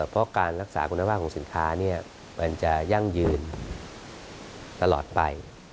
เพราะการรักษาคุณภาพของสินค้ามันจะยั่งยืนตลอดไป